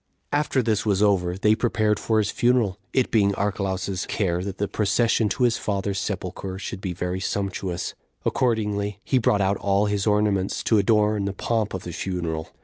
3. After this was over, they prepared for his funeral, it being Archelaus's care that the procession to his father's sepulcher should be very sumptuous. Accordingly, he brought out all his ornaments to adorn the pomp of the funeral.